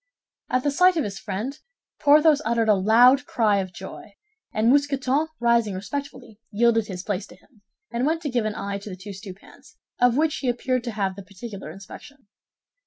At the sight of his friend, Porthos uttered a loud cry of joy; and Mousqueton, rising respectfully, yielded his place to him, and went to give an eye to the two stewpans, of which he appeared to have the particular inspection.